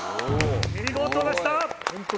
見事でした！